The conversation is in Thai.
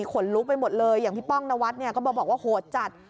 ขนลุกไปหมดเลยอย่างพี่ป้องนวัดเนี่ยก็มาบอกว่าโหดจัด